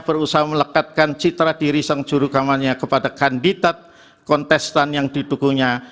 berusaha melekatkan citra diri sang jurukamannya kepada kandidat kontestan yang didukungnya